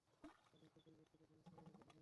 একজন সজ্জন ব্যক্তি কখনও ছায়ায় লুকিয়ে থাকেন না।